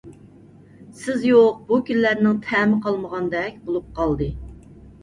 سىز يوق بۇ كۈنلەرنىڭ تەمى قالمىغاندەك بولۇپ قالدى.